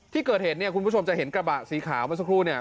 ที่เกิดเหตุเนี่ยคุณผู้ชมจะเห็นกระบะสีขาวเมื่อสักครู่เนี่ย